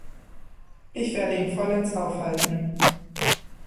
Ich werde ihn vollends aufhalten.